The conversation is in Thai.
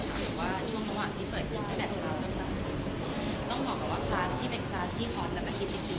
หรือว่าช่วงระหว่างที่เปิดที่นี่แค่สามจนกลับต้องบอกว่าคลาสที่เป็นคลาสที่หอมแบบอาทิตย์จริงจริง